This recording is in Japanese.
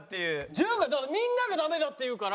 潤みんながダメだって言うから。